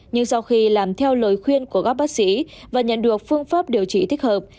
nhưng sau khi làm theo lời khuyên của các bác sĩ và nhận được phương pháp điều trị thích hợp